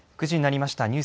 ９時になりました。